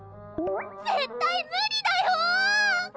絶対無理だよ！